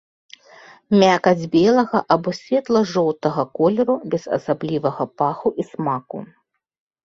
Мякаць белага або светла-жоўтага колеру, без асаблівага паху і смаку.